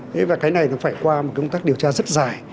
thế và cái này nó phải qua một công tác điều tra rất dài